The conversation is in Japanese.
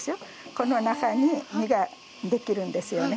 この中に実ができるんですよね